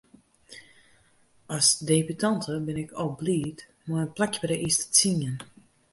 As debutante bin ik al bliid mei in plakje by de earste tsien.